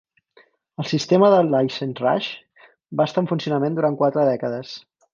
El sistema de Licence Raj va estar en funcionament durant quatre dècades.